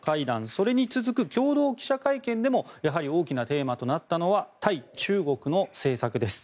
それに続く共同記者会見でも大きなテーマとなったのは対中国の政策です。